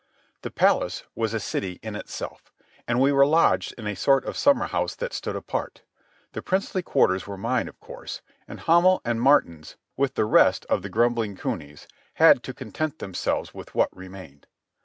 The palace was a city in itself, and we were lodged in a sort of summer house that stood apart. The princely quarters were mine, of course, and Hamel and Maartens, with the rest of the grumbling cunies, had to content themselves with what remained.